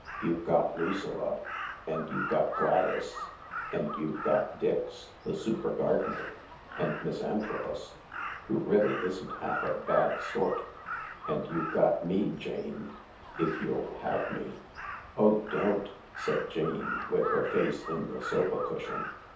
You've got Lucilla, and you've got Gladys, and you've got Dix— the super gardener— and Miss Antrobus, who really isn't half a bad sort ; and you've got me, Jane, if you'll have me." " Oh, don't !" said Jane, with her face in the sofa cushion.